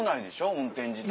運転自体。